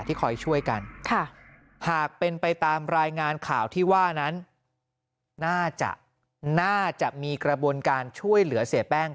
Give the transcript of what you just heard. คอยช่วยกันหากเป็นไปตามรายงานข่าวที่ว่านั้นน่าจะน่าจะมีกระบวนการช่วยเหลือเสียแป้ง